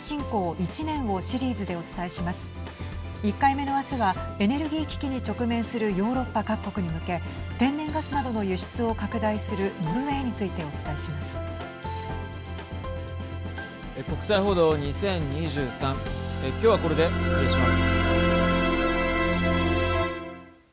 １回目の明日はエネルギー危機に直面するヨーロッパ各国に向け天然ガスなどの輸出を拡大するノルウェーについてお伝えします。